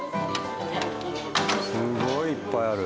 すごいいっぱいある。